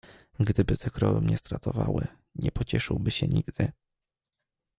"Gdyby te krowy mnie stratowały, nie pocieszyłby się nigdy."